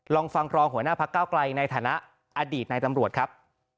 ลองฟังรองหัวหน้าพักเก้าไกลในฐานะอดีตในตำรวจครับ